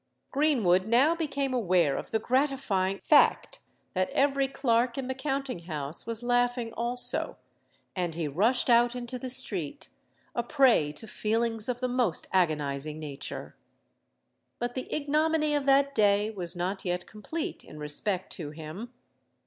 Greenwood now became aware of the gratifying fact that every clerk in the counting house was laughing also; and he rushed out into the street, a prey to feelings of the most agonising nature. But the ignominy of that day was not yet complete in respect to him.